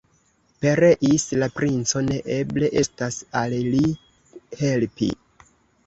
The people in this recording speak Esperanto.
Pereis la princo, ne eble estas al li helpi.